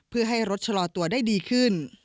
เพื่อให้รถชะลอตัวได้ดีขึ้น